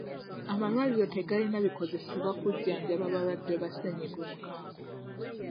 Amalwaliro tegalina bikozesebwa kujjanjaba balwadde ba ssennyinga omukabwe.